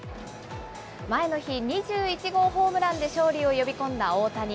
前の日、２１号ホームランで勝利を呼び込んだ大谷。